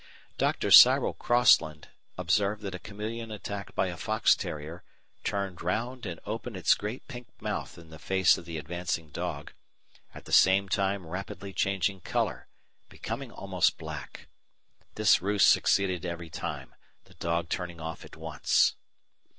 Dr. Cyril Crossland observed that a chameleon attacked by a fox terrier "turned round and opened its great pink mouth in the face of the advancing dog, at the same time rapidly changing colour, becoming almost black. This ruse succeeded every time, the dog turning off at once."